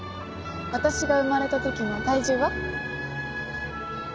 私が生まれた時の体重は？